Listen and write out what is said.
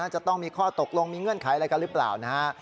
จะต้องมีข้อตกลงมีเงื่อนไขอะไรกันหรือเปล่านะฮะ